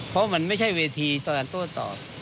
เพราะมันไม่ใช่เวทีตอนนั้นโต้ตอบ